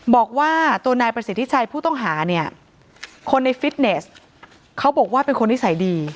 บอกว่าตัวนายประสิทธิชัยผู้ต้องหาเนี่ยคนในฟิตเนสเขาบอกว่าเป็นคนนิสัยดี